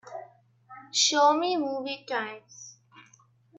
Show me movie times